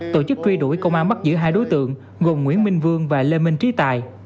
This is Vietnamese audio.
tổ chức truy đuổi công an bắt giữ hai đối tượng gồm nguyễn minh vương và lê minh trí tài